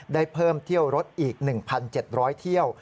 ได้เพิ่มเที่ยวรถอีก๑๗๐๐เที่ยว